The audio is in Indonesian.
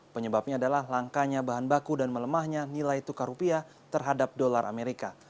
penyebabnya adalah langkanya bahan baku dan melemahnya nilai tukar rupiah terhadap dolar amerika